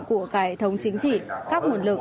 của cải thống chính trị các nguồn lực